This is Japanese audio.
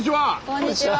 こんにちは。